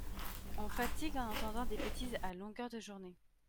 on fatigue en entendant des bétises à longueur de journée.